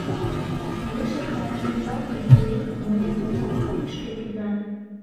Лишыл сарай ӱмбалне турий, мурен-мурен, кӱшкӧ кӱза.